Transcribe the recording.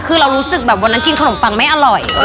คือเรารู้สึกวันหลังนั้นนั้นกินขนมปังไม่อร่อย